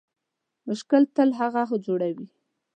مشکل تل هغه جوړوي